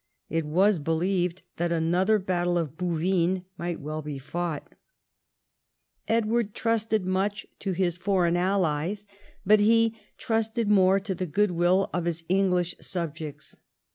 It was believed that another battle of Bouvines might well be fought. Edward trusted much to his foreis n allies, but lie 184 EDWARD I chap. trusted more to the goodwill of his English subjects.